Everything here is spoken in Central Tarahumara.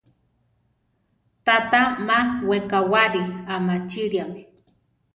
Tata má wekáwari amachiliame.